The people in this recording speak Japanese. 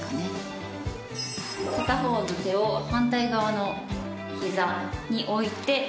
片方の手を反対側の膝に置いて。